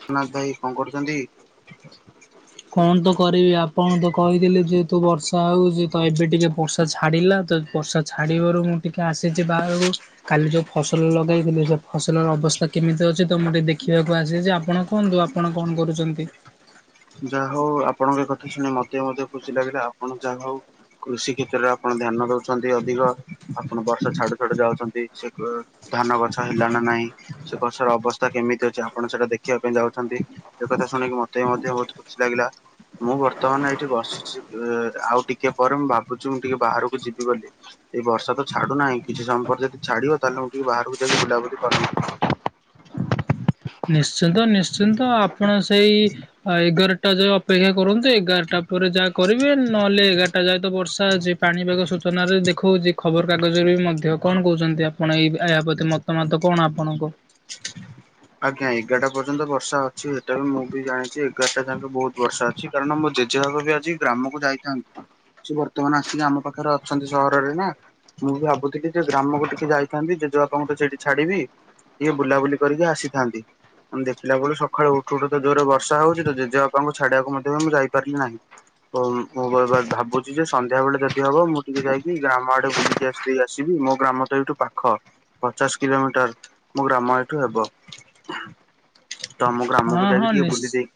ସୁନାଥ୍ ଭାଇ କଣ କରୁଚନ୍ତି? କଣ ତ କରିବି। ଆପଣ ତ କହିଦେଲେ ଯେହେତୁ ବର୍ଷା ହଉଚି, ତ ଏବେ ଟିକେ ବର୍ଷା ଛାଡିଲା। ତ ବର୍ଷା ଛାଡ଼ିବାରୁ ମୁଁ ଟିକିଏ ଆସିଚି ବାହାରକୁ। କାଲି ଯୋଉ ଫସଲ ଲଗେଇଥିଲି, ସେ ଫସଲର ଅବସ୍ଥା କେମିତି ଅଛି, ତ ମୁଁ ଟିକେ ଦେଖିବାକୁ ଆସିଚି। ଆପଣ କୁହନ୍ତୁ, ଆପଣ କଣ କରୁଚନ୍ତି? ଯାହା ହଉ ଆପଣଙ୍କ କଥା ଶୁଣି ମତେ ମଧ୍ୟ ଖୁସି ଲାଗିଲା। ଆପଣ ଯାହା ହଉ କୃଷି କ୍ଷେତ୍ରରେ ଆପଣ ଧ୍ୟାନ ଦଉଛନ୍ତି ଅଧିକ। ଆପଣ ବର୍ଷା ଛାଡୁ ଛାଡୁ ଯାଉଛନ୍ତି। ସେ- ଧାନ ଗଛ ହେଲା ନା ନାହିଁ, ସେ ଗଛର ଅବସ୍ଥା କେମିତି ଅଛି। ଆପଣ ସେଟା ଦେଖିବା ପାଇଁ ଯାଉଛନ୍ତି। ସେ କଥା ଶୁଣିକି ମତେ ବି ମଧ୍ୟ ବହୁତ୍ ଖୁସି ଲାଗିଲା। ମୁଁ ବର୍ତ୍ତମାନ ଏଇଠି ବସିଚି। ଅ ଆଉ ଟିକେ ପରେ ମୁଁ ଭାବୁଚି, ମୁଁ ଟିକେ ବାହାରକୁ ଯିବି ବୋଲି। ଏଇ ବର୍ଷା ତ ଛାଡୁ ନାହିଁ। କିଛି ସମୟ ପରେ ଯଦି ଛାଡିବ, ତାହେଲେ ମୁଁ ଟିକେ ବାହାରକୁ ଯାଇକି ବୁଲାବୁଲି କରନ୍ତି। ନିଶ୍ଚିନ୍ତ, ନିଶ୍ଚିନ୍ତ। ଆପଣ ସେଇ ଏଗାର ଟା ଯାଏ ଅପେକ୍ଷା କରନ୍ତୁ। ଏଗାରଟା ପରେ ଯାହା କରିବେ। ନହେଲେ ଏଗାରଟା ଯାଏତ ତ ବର୍ଷା ଅଛି। ପାଣିପାଗ ସୂଚନାରେ ଦେଖଉଚି। ଖବରକାଗଜରେ ବି ମଧ୍ୟ ତେବେ କଣ କହୁଚନ୍ତି ଆପଣ? ଏଇ ଏହା ପ୍ରତି ମତାମତ କଣ ଆପଣଙ୍କ? ଆଜ୍ଞା। ଏଗାରଟା ପର୍ଯ୍ୟନ୍ତ ବର୍ଷା ଅଛି। ହେଟା ବି ମୁଁ ବି ଜଣିଚି ଏଗାରଟା ଯାଙ୍କେ ବହୁତ ବର୍ଷା ଅଛି। କାରଣ ମୋ ଜେଜେବାପା ବି ଆଜି ଗ୍ରାମକୁ ଯାଇଥାନ୍ତେ। ସେ ବର୍ତ୍ତମାନ ସିଏ ଆମ ପାଖରେ ଅଛନ୍ତି ସହରରେ ନା। ମୁଁ ବି ଭାବୁଥିଲି ଯେ ଗ୍ରାମକୁ ଟିକେ ଯାଇଥାନ୍ତି, ଜେଜେବାପାଙ୍କୁ ତ ସେଇଠି ଛାଡିବି ଟିକିଏ ବୁଲାବୁଲି କରିକି ଆସିଥାନ୍ତି। ଦେଖିଲା ବେଳୁ ସଖାଳୁ ଉଠୁ ଉଠୁ ତ ଜୋର୍ ରେ ବର୍ଷା ହଉଛି ତ ଜେବାପାଙ୍କୁ ଛାଡିଆକୁ ମଧ୍ୟ ବି ମୁଁ ଯାଇପାରିଲି ନାହିଁ। ମୁଁ - ମୁଁ ବା ଭାବୁଚି ଯେ ସନ୍ଧ୍ୟାବେଳେ ଯଦି ହବ ମୁଁ ଟିକେ ଯାଇକି ଗ୍ରାମ ଆଡେ ବୁଲିକି ଆସି ଆସିବି, ମୋ ଗ୍ରାମ ତ ଏଇଠୁ ପାଖ। ପଚାଶ କିଲୋମିଟର, ମୋ ଗ୍ରାମ ଏଇଠୁ ହେବ। ତମ ଗ୍ରାମକୁ ହଁ ମୁଁ ହଁ ଯାଉଚି ଟିକେ ନିଶ୍ଚ ବୁଲିଦେଇ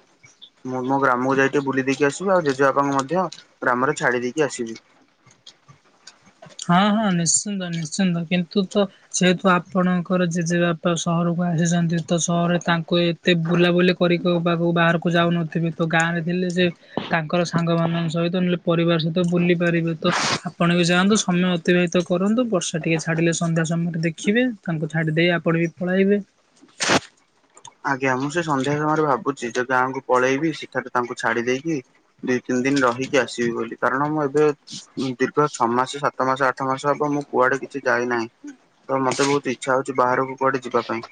ମୁଁ ମୋ ଗ୍ରାମକୁ ଯାଇକି ବୁଲି ଦେଇକି ଆସିବି ଆଉ ଜେଜେବାପାଙ୍କୁ ମଧ୍ୟ ଗ୍ରାମରେ ଛାଡ଼ି ଦେଇକି ଆସିବି। [inaudible] ହଁ, ହଁ ନିଶ୍ଚିନ୍ତ ନିଶ୍ଚିନ୍ତ କିନ୍ତୁ ତ ଯେହେତୁ ଆପଣଙ୍କର ଜେଜେବାପ୍ ତ ସହରକୁ ଆସିଛନ୍ତି, ତ ସହରରେ ତାଙ୍କୁ ଏତ୍ ଏତେ ବୁଲାବୁଲି କରିକି ବାକୁ ବାବୁ ବାହାରକୁ ଯାଉନଥିବେ, ତ ଗାଁରେ ଥିଲେ ସେ ତାଙ୍କର ସାଙ୍ଗମାନଙ୍କ ସହିତ ନହେଲେ ପରିବାର ସହିତ ବୁଲିପାରିବେ ତ ଆପଣ ବି ଯାଆନ୍ତୁ। ସମୟ ଅତିବାହିତ କରନ୍ତୁ ବର୍ଷା ଟିକିଏ ଛାଡ଼ିଲେ ସନ୍ଧ୍ୟା ସମୟରେ ଦେଖିବେ ତାଙ୍କୁ ଛାଡ଼ିଦେଇ ଆପଣ ବି ପଳାଇବେ। ଆଜ୍ଞା, ମୁଁ ସେ ସନ୍ଧ୍ୟା ସମୟରେ ଭାବୁଛି ଯୋଉ ଗାଁଙ୍କୁ ପଳେଇବି ସେଠାରେ ତାଙ୍କୁ ଛାଡି ଦେଇକି ଦିଇ ତିନି ଦିନି ରହିକି ଆସିବି ବୋଲି କାରଣ ମୁଁ ଏବେ ଦୀର୍ଘ ଛଅମାସ, ସାତମାସ, ଆଠମାସ ହବ ମୁଁ କୁଆଡେ କିଛି ଯାଇନାହିଁ। ତ ମତେ ବହୁତ ଇଚ୍ଛାହଉଛି ବାହାରକୁ କୁଆଡେ ଯିବାପାଇଁ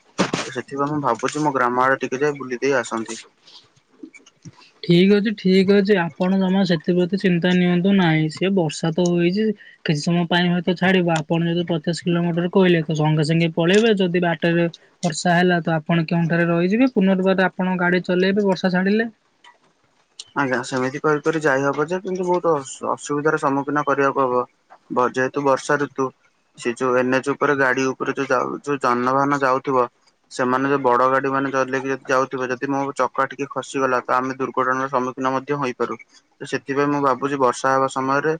ତ ସେଥିପାଇଁ ମୁଁ ଭାବୁ କହୁଛି ମୋ ଗ୍ରାମ ଆଡେ ଟିକେ ଯାଇ ବୁଲି ଦେଇେ ଆସନ୍ତି। ଠିକ୍ଅଛି ଠିକ୍ଅଛି ଆପଣଜମା ସେଥିପ୍ରତି ଚିନ୍ତା ନିଅନ୍ତୁନାହିଁ ସିଏ ବର୍ଷା ତ ହେଇଛି। କିଛି ସମୟପାଇଁ ହୁଏତ ଛାଡିବ ଆପଣ ଯଦି ପଚାଶ କିଲୋମିଟର କହିଲେ ତ ସଙ୍ଗେସଙ୍ଗେ ପଳେଇବେ ଯଦି ବାଟରେ ବର୍ଷା ହେଲା ତ ଆପଣ କେଉଁଠାରେ ରହିଯିବେ ପୁନର୍ବାର ଆପଣଗାଡି ଚଲେଇବେ ବର୍ଷା ଛାଡିଲେ। ଆଜ୍ଞା ସେମିତି କରିକରି ଯାଇହବ ଯେ କିନ୍ତୁ ବହୁତ୍ ଅସୁ - ଅସୁବିଧାର ସମ୍ମୁଖୀନ କରିବାକୁ ହବ। ଭର ଯେ ହେତୁ ବର୍ଷା ଋତୁ। ସେ ଯୋଉ ଏନଏଚ ଉପରେ ଗାଡି ଉପରେ ଯୋଉ - ଯୋଉ ଜାନବାହାନ ଯାଉଥିବ। ସେମାନେ ଯୋଉ ବଡଗାଡି ମାନେଯଦି ଯାଉଥିବେ ଯଦି ମୋ ଚକା ଟିକେ ଖସିଗଲା ତ ଆମେ ଦୁର୍ଘଟଣା ର ସମ୍ମୁଖୀନ ମଧ୍ୟହେଇପାରୁ ନି ତ ସେଥିପାଇଁ ମୁଁ ଭାବୁଛି ବର୍ଷା ହେବା ସମୟରେ।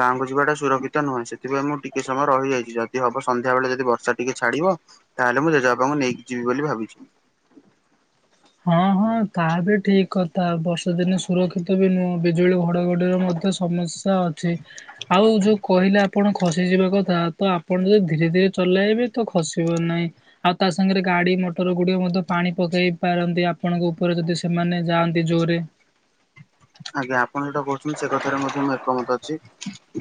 ଗାଁ କୁଯିବା ଟା ସୁରକ୍ଷିତନୁହେଁ, ସେଥିପାଇଁ ମୁଁ ଟିକେ ସମୟ ରହିଯାଇଛି ଯଦିହବ ସନ୍ଧ୍ୟା ବେଳେ ଯଦି ବର୍ଷା ଟିକେ ଛାଡିବ ତାହେଲେ ମୁଁ ଜେଜେ ବାପାଙ୍କୁ ନେଇକି ଯିବି ବୋଲି ଭାବିଛି। ହଁ ହଁ, ତାହାବି ଠିକ୍ କଥା ବର୍ଷାଦିନେ ସୁରକ୍ଷିତ ବି ନୁହେଁ ବିଜୁଳି ଘଡଘଡିର ମଧ୍ୟ ସମସ୍ୟା। ତ ଅଛି ଆଉ ଯୋଉ କହିଲେ ଆପ ଆପଣ ଖସିଯିବା କଥା ତ ଆପଣଯଦି ଧୀରେ ଧୀରେ ଚଲେଇବେ ତ ଖସିବ ନାହିଁ। ଆଉ ତାସାଙ୍ଗରେ ଗାଡି ମଟରଗୁଡିକ ମଧ୍ୟପାଣି ପକେଇ ପାରନ୍ତି ଆପ ଆପଣଙ୍କ ଉପରେ ଯଦି ସେମାନେ ଯାଆନ୍ତି ଜୋରେ। ଆଜ୍ଞା ଆପଣ ଯୋଉଟା କହୁଛନ୍ତି ସେକଥାରେ ମଧ୍ୟ ମୁଁ ଏକମତ ଅଛି,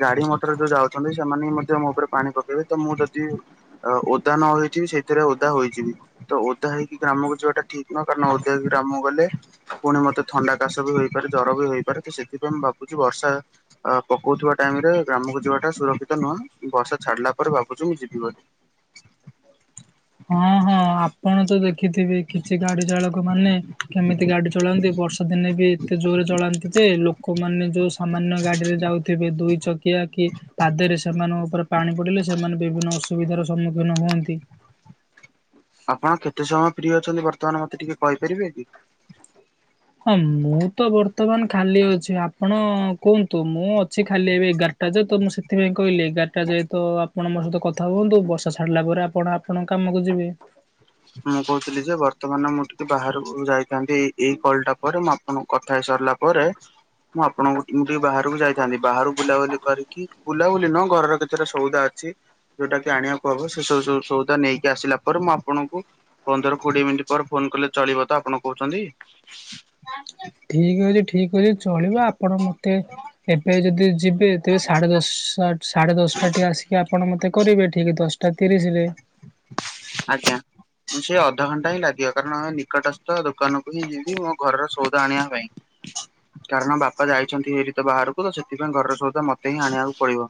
ଗାଡି ମଟର ଯୋଉ ଯାଉଛନ୍ତି ସେମାନେ ହି ମଧ୍ୟ ମୋ ଉପରେ ପାଣି ପକେଇବେ ତ ମୁଁ ଯଦି ଓଦା ନ ହେଇଥବି ସେଇଥିରେ ଓଦା ହୋଇଯିବି। ତ ଓଦା ହେଇକି ଗ୍ରାମକୁ ଯିବାଟା ଠିକ୍ ନୁହଁ କାରଣ ଓଦା ହେଇିକି ଗ୍ରାମକୁ ଗଲେ ପୁଣି ମତେଥଣ୍ଡା, କାଶ, ବି ହୋଇଇପାରେ ଜ୍ୱର ବି ହୋଇପାରେ ତ ସେଥିପାଇଁ ମୁଁ ଭାବୁଛି ବର୍ଷା ଅ ପକଉଥିବା ଟାଇମ୍ ରେ ଗ୍ରାମକୁ ଯିବାଟା ସୁରକ୍ଷିତ ନୁହଁ ବର୍ଷା ଛାଡିଲା ପରେ ଭାବୁଛି ମୁଁ ଯିବି ବୋଲି। ହୁଁ, ହୁଁ। ଆପଣତ ଦେଖିଥିବେ କିଛି ଗାଡି ଚାଳକ ମାନେ କେମିତି ଗାଡି ଚଳାନ୍ତି ବର୍ଷା ଦିନେ ବି ଏତେ ଜୋରେ ଚଳାନ୍ତି ଯେ ଲୋକମାନେ ଯୋଉ ସ ସାମାନ୍ୟ ଗାଡ଼ିରେ ଯାଉଥିବେ ଦୁଇଚକିଆ କି ପାଦରେ ସେମାନଙ୍କ ଉପରେ ପାଣି ପଡିଲେ ସେମାନେ ବିଭିନ୍ନ ଅସୁବିଧାର ସମ୍ମୁଖୀନ ହୁଅନ୍ତି। ଆପଣ କେତେ ସମୟ ଫ୍ରି ଅଛନ୍ତିବର୍ତ୍ତମାନ ମତେ ଟିକେ କହିପାରିବେକି। ହଁ, ମୁଁ ତ ବର୍ତ୍ତମାନ ଖାଲିଅଛି ଆପଣ କୁହନ୍ତୁ ମୁଁ ଅଛି ଖାଲି ଏବେ ଏଗାର୍ ଏଗାର ଟା ଯେ ତ ମୁଁ ସେଥିପାଇଁ କହିଲି ଏଗାରଟା ଯେହେତୁ ତ ଆପଣ ମୋ ସହିତ କଥା ହୁଅନ୍ତୁ ବର୍ଷା ଛାଡିଲା ପରେ ଆପଣ ଆପ ଆପଣ କାମକୁ ଯିବେ। ମୁଁ କହୁଥିଲି ଯେ ବର୍ତ୍ତମାନ ମୁଁ ଟିକେ ବାହାରକୁ ଯାଇଥାନ୍ତି ଏଇକଲ୍ ଟା ପରେ ମୁଁ ଆପ ଆପଣଙ୍କୁ କଥା ହେଇ ସାରିଲା ପରେ। ମୁଁ ଆପଣଙ୍କୁ ମୁଁ ଟିକେ ବାହାରକୁ ଯାଇଥାନ୍ତି ବାହହାରୁ ବୁଲାବୁଲି କରିକି ବୁଲାବୁଲି ନୁହଁ ଘରର କେ କେତେ ଟା ସଉଦା ଅଛି ଯୋଉଟା କି ଆଣିବାକୁ ହବ ସେ ସବୁ ସବୁ ସଉଦା ନେଇକି ଆସିଲା ପରେ ମୁଁ ଆପଣଙ୍କୁ। ପନ୍ଦର କୋଡ଼ିଏ ମିନିଟ୍ ପରେ ଫୋନ୍ କଲେ ଚଳିବ ତ ଆପଣ କହୁଛନ୍ତି। ଆ [inaudible] ଠିକ୍ ଅଛି ଠିକ୍ ଅଛି। ଚଳିବା ଆପଣ ମତେ ଏବେ ଯଦି ଯିବେ ତେବେ ସାଢ଼େ ଦଶଟା। ସାଢେ ଦଶଟା ଟି ଆସିକି ଆପଣ ମତେ କରିବେ ଠିକ୍ ଦଶଟା ତିରିଶି ରେ। ଆଜ୍ଞା। ମୁଁ ସେଇ ଅଧଘଣ୍ଟା ହିଁ ଲାଗିବ କାରଣ ଆମ ନିକଟସ୍ଥ ଦୋକାନକୁ ହିଁ ଯିବି ମୋ ଘରର ସଉଦା ଆଣିବା ପାଇଁ। [unintelligible] କାରଣ ବାପା ଯାଇଛନ୍ତି ହେରି ତ ବାହାରକୁ ତ ସେଥିପାଇଁ ଘରର ସଉଦା ମତେ ହିଁ ଆଣିବାକୁ ପଡିବ।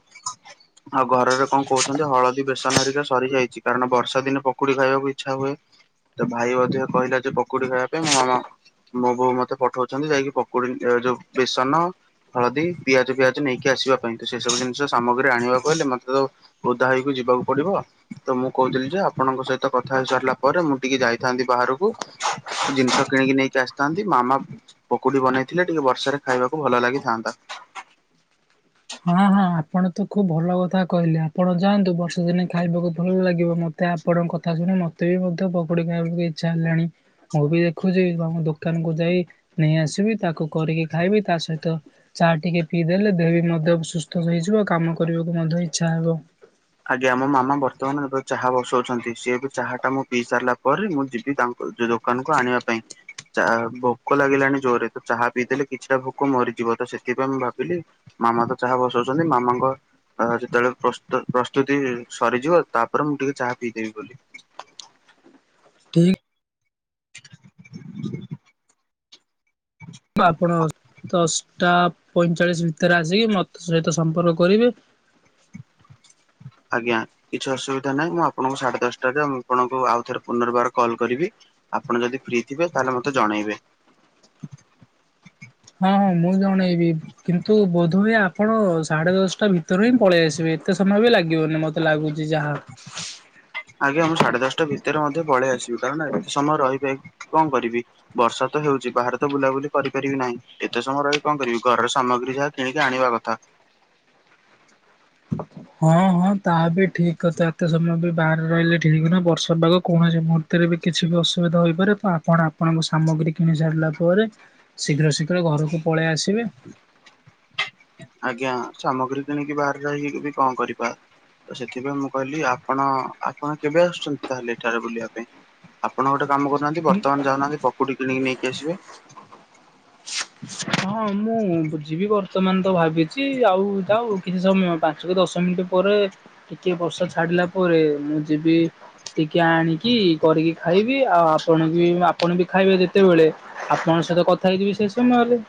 ଆଉ ଘର ରେ କଁ କହୁଛନ୍ତି ହଳଦୀ, ବେସନ, ହରିକା ସରିଯାଇଛି କାରଣ ବର୍ଷା। ଦିନେ ପକୁୋଡି ଖାଇବାକୁ ଇଚ୍ଛା ହୁଏ ତ ଭାଇ ମଧ୍ୟ କହିଲା ଯେ ପକୁଡି ଖାଇବା ପାଇଁ ମୋ ମାମା। ମୋ ବୋଉ ମତେ ପଠଉଛନ୍ତି ଯାଇକି ପକୁଡି ଏ ଯୋଉ ବେସନ। ହଳଦୀ ପିଆଜ ଫିଆଜ ନେଇକି ଆସିବା ପାଇଁ ତ ସେ ସବୁ ଜିନିଷ ସାମଗ୍ରୀ ଆଣିବାକୁ ହେଲେ ମତେ ତ। ଓଦା ହେଇକୁ ଯିବାକୁ ପଡିବ ତ ମୁଁ କହୁଥିଲି ଯେ ଆପ ଆପଣଙ୍କ ସହିତ କଥା ହେଇ ସାରିଲା ପରେ ମୁଁ ଟିକେ ଯାଇଥାନ୍ତି ବାହାରକୁ। ଜିନିଷ କିଣିକି ନେଇକି ଆସିଥାନ୍ତି ମାମା ପକୁଡି ବନେଇଥିଲେ ଟିକେ ବର୍ଷାରେ ଖାଇବାକୁ ଭଲ ଲାଗିଥାନ୍ତା। ହଁ ହଁ ଆପଣ ତ ଖୁବ ଭଲ କଥା କହିଲେ, ଆପଣ ଯାଆନ୍ତୁ ବର୍ଷା ଦିନେ ଖାଇବାକୁ ଭଲ ଲାଗିବ ମତ୍ ତେ ଆପଣଙ୍କ କଥା ଶୁଣି ମତେ ବି ମଧ୍ୟ ପକୋଡ଼ି ଖାଇବାକୁ ଇଚ୍ଛା ହେଲାଣି। ମୁଁ ବି ଦେଖୁଛି କଁ ଦୋକାନକୁୁ ଯାଇ ନେଇ ଆସିବି ତାକୁ କରିକି ଖାଇବି ତା ସହିତ। ଚା ଟିକେ ପିଇଦେଲେ ଦେହ ବି ମଧ୍ୟ ସୁସ୍ଥ ହେଇଯିବ କାମ କରିବାକୁ ମଧ୍ୟ ଇଚ୍ଛା ହବ। ଆଜ୍ଞା ମୋ ମାମା ବର୍ତ୍ତମାନ ଏବେ ଚାହା ବସଉଛନ୍ତି ସିଏ ଏବେ ଚାହା ଟା ମୁଁ ପିଇ ସାରିଲା ପରେ ମୁଁ ଯିବି ତାଙ୍କୁ ଯୋଉ ଦୋକାନ କୁ ଆଣିବା ପାଇଁ। ଚାହା ଭୋକ ଲାଗିଲାଣି ଜୋର ରେ ତ ଚାହା ପିଇଦେଲେ କିଛିଟା ଭୋକ ମରିଯିବ ତ ସେଥିପାଇଁ ମୁଁ ଭାବିଲି। ମାମା ତ ଚାହା ବସଉଛନ୍ତି ମାମାଙ୍କ ଅ ଯେତେବେଳେ ପ୍ରସ୍ତ ପ୍ରସ ପ୍ରସ୍ତୁତି ସରିଯିବ ତାପରେ ମୁଁ ଟିକେ ଚାହା ପିଇଦେବି ବୋଲି। ଠିକ [inaudible] ତ ଆପଣ ଦଶଟା ପଇଁଚାଳିଶ ଭିତରେ ଆସିକି ମତେ ସହିତ ସମ୍ପର୍କ କରିବେ। ଆଜ୍ଞା। କିଛି ଅସୁବିଧା ନାହିଁ ମୁଁ ଆପଣଙ୍କୁ ସାଢେ ଦଶଟାରେ ଆପଣଙ୍କୁ ଆଉ ଥରେ ପୁନର୍ବାର କଲ୍ କରିବି। ଆପଣ ଯଦି ଫ୍ରି ଥିବେ ତାହେଲେ ମତେ ଜଣେଇବେ। ହଁ ହଁ ମୁଁ ଜଣେଇବି କିନ୍ତୁ ବୋଧ ହୁଏ ଆପଣ ସାଢେ ଦଶଟା ଭିତ ଭିତରୁ ହିଁ ପଳେଇ ଆସିବେ ଏତେ ସମୟ ବି ଲାଗିବନି ମତେ ଲାଗୁଛି ଯାହା। ଆଜ୍ଞା ମୁଁ ସାଢେ ଦଶଟା ଭିତରେ ମଧ୍ୟ ପଳେଇ ଆସିବି କାରଣ ଏତେ ସମୟ ରହି ଯାଇକି କଣ କରିବି? ବର୍ଷା ତ ହେଉଛି ବାହାରେ ତ ବୁଲାବୁଲି କରି ପାରିବି ନାହିଁ ଏତେ ସମୟ ର କଁ କରିବି ଘର ସାମଗ୍ରୀ ଯାହା। କିଣିକି ଆଣିବା କଥା। ହଁ ହଁ ତାହା ବି ଠିକ୍ କଥା ଏତେ ସମୟ ବି ବାହାରେ ରହିଲେ ଠିକ୍ ନୁହେଁ ବର୍ଷା ପାଗ କୌଣସି ମୁହୁର ର୍ତ୍ତ ରେ ବି କିଛି ବି ଅସୁବିଧା ହେଇ ପାରେ ତ ଆପଣ ଆପଣଙ୍କ ସାମଗ୍ରୀ କିଣି ସାରିଲା ପରେ। ଶୀଘ୍ର ଶୀଘ୍ର ଘରକୁ ପଳେଇ ଆସିବେ। [unintelligible] ଆଜ୍ଞା ସାମଗ୍ରୀ କିଣିକି ବାହରେ ରହିକି ବି କଁ କରିବା। ତ ସେଥିପାଇଁ ମୁଁ କହିଲି ଆପଣ ଆପଣ କେବେ ଆସୁଛନ୍ତି ତାହେଲେ ଏଠାରେ ବୁଲିବା ପାଇଁ? ଆପଣ ଗୋଟେ କାମ କରୁନାହାନ୍ତି ବର୍ତ୍ତମାନ ଯାଉନାହାନ୍ତି ପକୁଡି କିଣିକି ନେଇକି ଆସିବେ। ହଁ ମୁଁ ଯିବି ବର୍ତ୍ତମାନ ତ ଭାବିଛି ଆଉ ଯାଉ କିଛି ସମୟ ପା ଞ୍ଚ କି ଦଶ ମିନିଟ୍ ପରେ ଟିକେ ବର୍ଷା ଛାଡିଲା ପରେ ମୁଁ ଯିବି। ଟିକେ ଆଣିକି କରିକି ଖାଇବି, ଆଉ ଆପଣଙ୍କୁ ବି ଓ ଆପଣ ବି ଖାଇବେ ଯେତେବେଳେ ଆପଣଙ୍କ ସହିତ କଥା ହେଇଯିବି ସେ ସମୟରେ।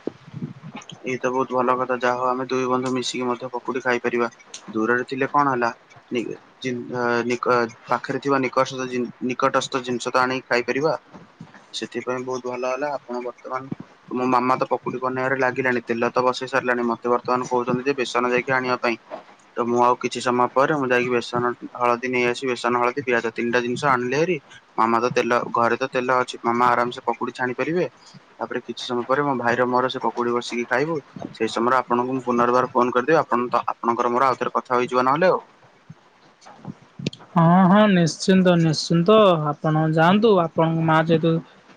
ଇଏ ତ ବହୁତ ଭଲ କଥା ଯାହା ହଉ ଆମେ ଦୁଇ ବନ୍ଧୁ ମିଶିକି ମଧ୍ୟ ପକୁଡି ଖାଇ ପାରିବା। ଦୂରରେ ଥିଲେ କଣ ହେଲା ନିକେ ଚିନ୍ ହୋ ନିକ ଅ, ପାଖରେ ଥିବା ନିକସତ ଜିନ ନିକଟସ୍ଥ ଜିନିଷ ତ ଆଣିକି ଖାଇପାରିବା। ସେଥିପାଇଁ ବହୁତ ଭଲ ହେଲା ଆପଣ ବର୍ତ୍ତମାନ ମୋ ମାମା ତ ପକୁଡି ବନେଇବାରେ ଲାଗି ଗିଲାଣି ତେଲ ତ ବସେଇ ସାରିଲାଣି, ମୋତେ ବର୍ତ୍ତମାନ କହୁଚନ୍ତି ଯେ ବେସନ ଯାଇକି ଆଣିବା ପାଇଁ। ତ ମୁଁ ଆଉ କିଛି ସମୟ ପରେ ମୁଁ ଯାଇକି ବେସନ ହଳଦୀ ନେଇ ଆସିି ବେସନ ହଳଦୀ ପିଆଜ ତିନିଟା ଜିନିଷ ଆଣିଲି ହେରି। ମାମା ତ ତେଲ ଘରେ ତ ତେଲ ଅଛି ମାମା ଆରାମସେ ପକୁଡି ଛାଣି ପାରିବେ। ତାପରେ କିଛି ସମୟ ପରେ ମୋ ଭାଇର ମୋର ସେ ପକୁଡି ବସିକି ଖାଇବୁ। ସେଇ ସମୟରେ ଆପଣଙ୍କୁ ମୁଁ ପୁନର୍ବାର ଫୋନ୍ କରିଦେବି, ଆପଣ ତ ଆପଣଙ୍କର ମୋର ଆଉ ଥରେ କଥା ହେଇଯିବ ନହେଲେ ଅ,। ହଁ ହଁ ନିଶ୍ଚିନ୍ତ ନିଶ୍ଚିନ୍ତ ଆପଣ ଯାଆନ୍ତୁ ଆପଣଙ୍କ ମା ଯେହେତୁ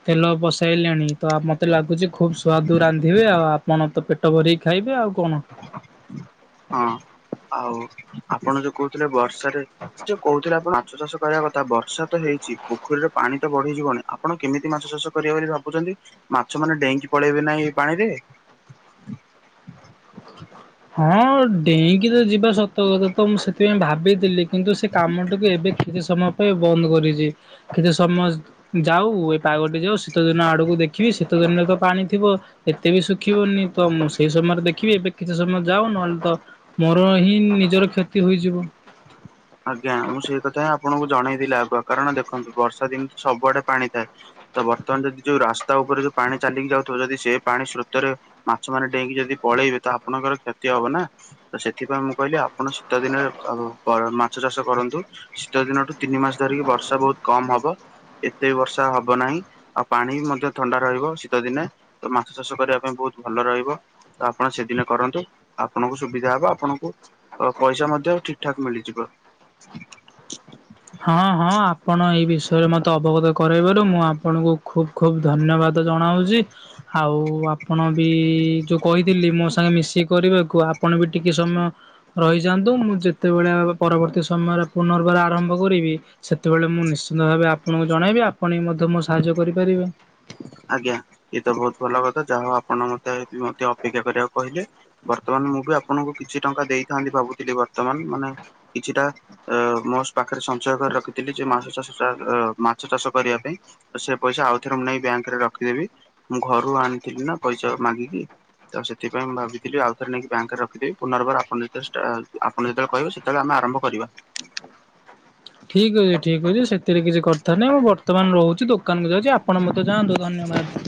ତେଲ ବସେଇଲେଣି ତ ମୋତେ ଲା ଗୁଛି ଖୁବ୍ ସୁଆଦୁ ରାନ୍ଧିବେ ଆଉ ଆପଣ ତ ପେଟ ଭରିକି ଖାଇବେ ଆଉ କଣ। ହଁ ଆଉ ଆପଣ ଯୋଉ କହୁଥିଲେ ବର୍ଷାରେ ସେ କହୁଥିଲେ ଆପଣ ମାଛ ଚାଷ କରିବା କଥା ବର୍ଷା ତ ହେଇଛି, ପୋଖରୀରେ ପାଣି ତ ବଢିଯିବଣି, ଆ ଆପଣ କେମିତି ମାଛ ଚାଷ କରିବେ ବୋଲି ଭାବୁଛନ୍ତି? ମାଛ ମାନେ ଡେଇଙ୍କି ପଳେଇବେ ନା ଏଇ ପାଣିରେ। ହଁ ଡେଇଁକି ତ ଯିବା ସତ ତୋର ତ ମୁଁ ସେଥିପାଇଁ ଭାବିଥିଲି କିନ୍ତୁ ସେ କାମଟିକୁ ଏବେ କିଛି ସମୟ ପାଇଁ ବନ୍ଦ କରିଚି। କେତେ ସମୟ ଯାଉ ଏ ପାଗଟି ଯାଉ ଶୀତ ଦିନ ଆଡକୁ ଦେଖିବି ଶୀତ ଦିନରେ ତ ପାଣି ଥିବ ଏତେ ବି ଶୁଖିବନି ତ ମୁଁ ସେଇ ସମୟରେ ଦେଖିବି ଏବେ କିଛି ସମୟ ଯାଉ ନ ନହଲେ ତ ମୋର ହିଁ ନିଜର କ୍ଷତି ହୋଇଯିବ। ଆଜ୍ଞା ମୁଁ ସେଇ କଥା ହିଁ ଆପଣଙ୍କୁ ଜଣେଇବିଲା ଆଗୁଆ କାରଣ ଦେଖନ୍ତୁ ବର୍ଷା ଦିନ ତ ସବୁଆଡେ ପାଣି ଥାଏ। ତ ବର୍ତ୍ତମାନ ଯଦି ଯୋଉ ରାସ୍ତା ଉପରେ ଯୋଉ ପାଣି ଚାଲିକି ଯାଉଥିବ ଯଦି ସେ ପାଣି ସ୍ରୋତରେ ମାଛ ମାନେ ଡେଇଁକି ଯଦି ପଳେଇବେ ତ ଆପଣଙ୍କର କ୍ଷତି ହବ ନା? ତ ସେଥିପାଇଁ ମୁଁ କହିଲି ଆପଣ ଶୀତ ଦିନରେ ଆହୁ କରନା। ମାଛ ଚାଷ କରନ୍ତୁ ଶୀତ ଦିନଠୁ ତିନି ମାସ ଧରିକି ବର୍ଷା ବହୁତ କମ ହବ। ଏତେ ବର୍ଷା ହବ ନାହିଁ, ଆଉ ପାଣି ବି ମଧ୍ୟ ଥଣ୍ଡା ରହିବ ଶୀତ ଦିନେ। ତ ମାଛ ଚାଷ କରିବା ପାଇଁ ବହୁତ ଭଲ ରହିବ। ତ ଆପଣ ସେଦିନ କରନ୍ତୁ, ଆପଣଙ୍କୁ ସୁବିଧା ହବ ଆପଣଙ୍କୁ ତ ପଇସା ମଧ୍ୟ ଠିକ୍ ଠାକ୍ ମିଳିଯିବ। ହଁ ହଁ ଆପଣ ଏଇ ବିଷ ସେ ମୋତେ ଅବଗତ କରେଇବାରୁ ମୁଁ ଆପଣଙ୍କୁ ଖୁବ୍ ଖୁବ୍ ଧନ୍ୟବାଦ ଜଣାଉଚି। ଆଉ ଆପଣ ବି ଯୋଉ କହିଥିଲି ମୋ ସାଙ୍ଗେ ମିଶିକି କରିବାକୁ ଆପଣ ବି ଟିକେ ସମୟ ରହିଯାଆନ୍ତୁ, ମୁଁ ଯେତେବେଳେ ପରବର୍ତ୍ତୀ ସମୟରେ ପୁନର୍ବାର ଆରମ୍ଭ କରିବି ସେତେବେଳେ ମୁଁ ନିଶ୍ଚିନ୍ତ ଭାବେ ଆପଣଙ୍କୁ ଜଣେଇବି ଆପଣ ବି ମଧ୍ୟ ମୋ ସାହାଯ୍ୟ କରିପାରିବେ। ଆଜ୍ଞା ଇଏ ତ ବହୁତ ଭଲ କଥା ଯାହା ଆପଣ ମୋତେ ମୋତେ ଅପେକ୍ଷା କରିବାକୁ କହିଲେ। ବର୍ତ୍ତମାନ ମୁଁ ବି ଆପଣଙ୍କୁ କିଛି ଟଙ୍କା ଦେଇଥାନ୍ତି ଭାବୁଥିଲି, ବର୍ତ୍ତମାନ ମାନେ କିଛି ଟା ଅ, ମୋ ପାଖରେ ସଞ୍ଚୟ କରି ରଖିଥିଲି ଯେ ମାଛ ଚାଷ ଚା ଅ, ମାଛ ଚାଷ କରିବା ପାଇଁ। ଅ, ସେ ପଇସା ଆଉଥରେ ମୁଁ ନେଇ ବ୍ୟାଙ୍କ୍ ରେ ରଖିଦେବି। ମୁଁ ଘରୁ ଆଣିଥିଲି ନା ପଇସା ମାଗିକି। ତ ସେଥିପାଇଁ ମୁଁ ଭାବିଥିଲି ଆଉଥରେ ନେଇକି ବ୍ୟାଙ୍କ୍ ରଖିଦେବି। ପୁନର୍ବାର ଆପଣ ଯେତେବେଳେ ଷ୍ଟା ଆ ତମେ ଯେତେବେଳେ କହିବ ସେତେଳେ ଆମେ ଆରମ୍ଭ କରିବା। ଠିକ୍ ଅଛି ଠିକ୍ ଅଛି ସେଥିରେ କିଛି କଥା ନାଇ ମୁଁ ବର୍ତ୍ତମାନ ରହୁଚି ଦୋ କାନକୁ ଯାଉଚି ଆପଣ ମଧ୍ୟ ଯାଆନ୍ତୁ ଧନ୍ୟବାଦ୍।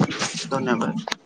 ଧନ୍ୟବାଦ୍।